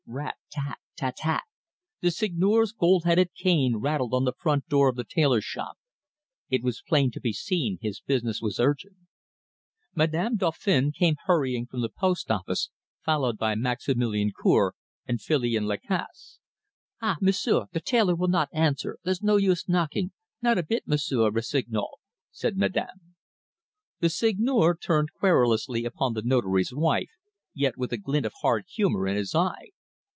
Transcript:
Rat tat tat tat tat! the Seigneur's gold headed cane rattled on the front door of the tailor shop. It was plain to be seen his business was urgent. Madame Dauphin came hurrying from the postoffice, followed by Maximilian Cour and Filion Lacasse. "Ah, M'sieu', the tailor will not answer. There's no use knocking not a bit, M'sieu' Rossignol," said Madame. The Seigneur turned querulously upon the Notary's wife, yet with a glint of hard humour in his eye.